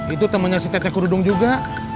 itu temennya si tecek rudung juga